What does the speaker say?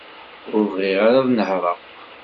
Ur bɣiɣ ara ad nehreɣ.